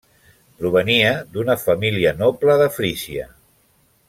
Provenia d'una família noble de Frísia.